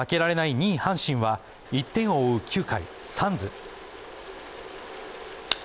２位阪神は１点を追う９回、サンズ。